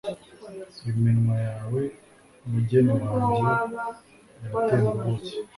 iminwa yawe, mugeni wanjye, iratemba ubuki